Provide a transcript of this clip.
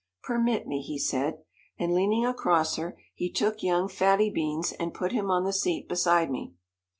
"Permit me," he said, and leaning across her he took young Fatty Beans and put him on the seat beside me.